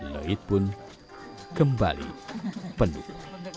lohit pun kembali penuh